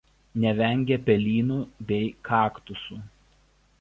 Nevengia pelynų bei kaktusų.